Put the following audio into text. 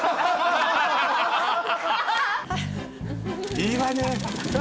いいわね。